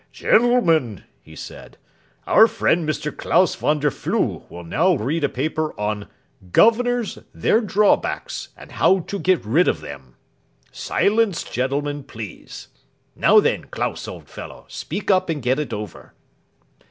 "Gentlemen," he said, "our friend Mr. Klaus von der Flue will now read a paper on 'Governors their drawbacks, and how to get rid of them.' Silence, gentlemen, please. Now, then, Klaus, old fellow, speak up and get it over."